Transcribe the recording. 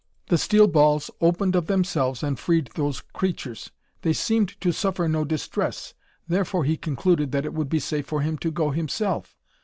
The steel balls opened of themselves and freed those creatures. They seemed to suffer no distress. Therefore he concluded that it would be safe for him to go, himself.